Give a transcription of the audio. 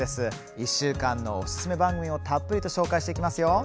１週間のおすすめ番組をたっぷりと紹介します。